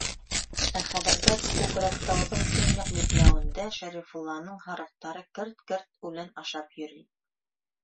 Ә хәҙергә Күкрәктауҙың көньяҡ битләүендә Шәрифулланың һарыҡтары керт-керт үлән ашап йөрөй.